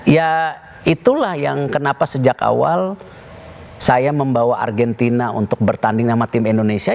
ya itulah yang kenapa sejak awal saya membawa argentina untuk bertanding nama tim indonesia